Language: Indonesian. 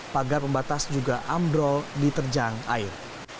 pagar pembatas juga ambrol diterjang air